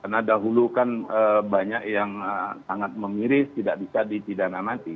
karena dahulu kan banyak yang sangat memiris tidak bisa ditindana mati